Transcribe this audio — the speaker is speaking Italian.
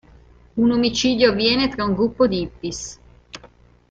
Un omicidio avviene tra un gruppo di hippies.